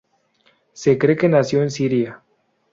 Se cree que nació en Siria.